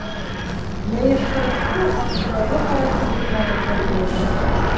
Йыйыштырыусы аптыраулы ҡарашын төбәне Сәбиләгә: